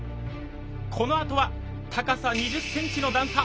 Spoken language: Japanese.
このあとは高さ２０ｃｍの段差！